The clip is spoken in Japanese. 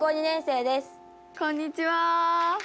こんにちは。